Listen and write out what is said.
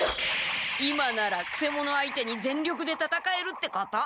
今ならくせ者相手に全力でたたかえるってこと。